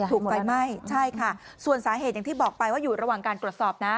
ถูกไฟไหม้ใช่ค่ะส่วนสาเหตุอย่างที่บอกไปว่าอยู่ระหว่างการตรวจสอบนะ